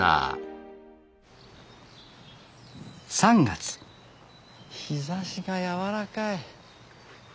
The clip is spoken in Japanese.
３月日ざしが柔らかい。